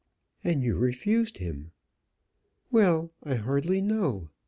"And you refused him." "Well, I hardly know.